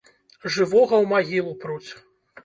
Жывога ў магілу пруць.